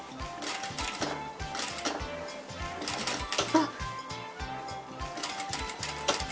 あっ。